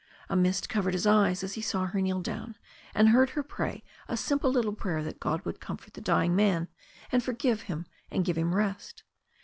A mist covered his eyes as he saw her kneel down, and heard her pray a simple little prayer that God would comfort the dying man, and forgive him, and give him rest.